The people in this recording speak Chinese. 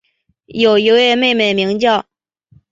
有一位妹妹名叫。